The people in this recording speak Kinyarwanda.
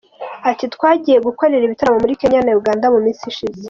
Ati “ Twagiye gukorera ibitaramo muri Kenya na Uganda mu minsi ishize.